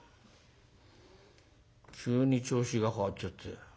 「急に調子が変わっちゃったよ。